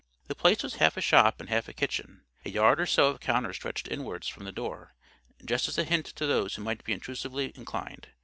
The place was half a shop and half a kitchen. A yard or so of counter stretched inwards from the door, just as a hint to those who might be intrusively inclined.